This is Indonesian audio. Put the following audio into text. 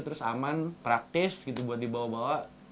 terus aman praktis gitu buat dibawa bawa